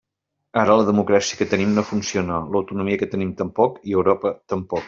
Ara la democràcia que tenim no funciona, l'autonomia que tenim tampoc i Europa tampoc.